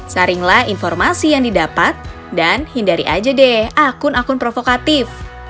saringlah informasi yang didapat dan hindari aja deh akun akun provokatif